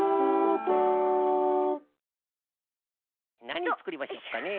なにつくりましょうかね。